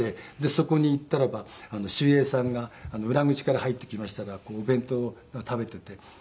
そこに行ったらば守衛さんが裏口から入ってきましたらお弁当を食べていて。